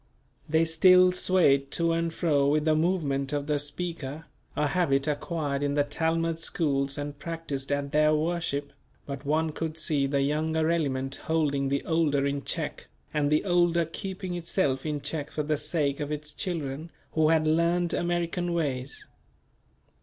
They still swayed to and fro with the movement of the speaker, a habit acquired in the Talmud schools and practiced at their worship; but one could see the younger element holding the older in check, and the older keeping itself in check for the sake of its children who had learned American ways.